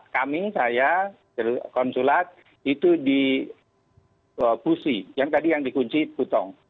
kami saya konsulat itu di pusi yang tadi yang dikunci putong